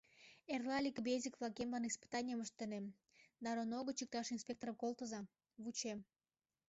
Эрла ликбезник-влакемлан испытанийым ыштынем, да РОНО гыч иктаж инспекторым колтыза, вучем!